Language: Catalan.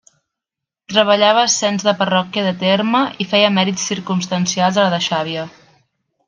Treballava ascens de parròquia de terme i feia mèrits circumstancials a la de Xàbia.